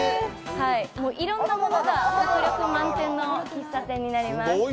いろんなものが迫力満点の喫茶店になります。